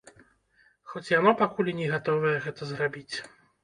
Хоць яно пакуль і не гатовае гэта зрабіць.